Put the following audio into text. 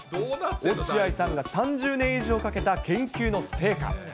落合さんが３０年以上かけた研究の成果。